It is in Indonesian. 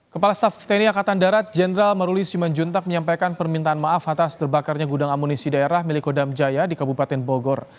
kepala staff tni angkatan darat jenderal maruli simanjuntak menyampaikan permintaan maaf atas terbakarnya gudang amunisi daerah milik kodam jaya di kabupaten bogor